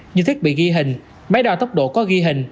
như thiết bị ghi hình máy đo tốc độ có ghi hình